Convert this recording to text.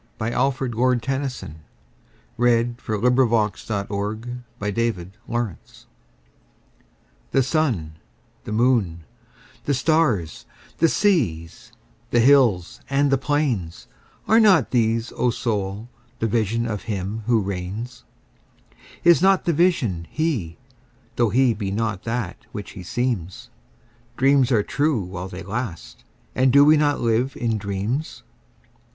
1917. Alfred, Lord Tennyson (1809–1892) 93. The Higher Pantheism THE SUN, the moon, the stars, the seas, the hills and the plains—Are not these, O Soul, the Vision of Him who reigns? Is not the Vision He? tho' He be not that which He seems? Dreams are true while they last, and do we not live in dreams?